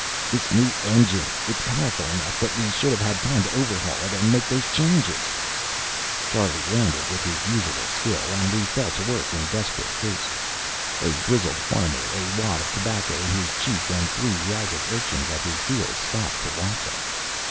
"This new engine! It's powerful enough, but we should have had time to overhaul it, and make those changes." Charlie landed with his usual skill, and we fell to work in desperate haste. A grizzled farmer, a wad of tobacco in his cheek and three ragged urchins at his heels, stopped to watch us.